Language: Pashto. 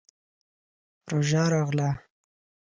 روژه راغله.